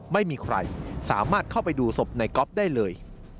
ไม่มีใครสามารถเข้าไปดูศพในก๊อฟได้เลย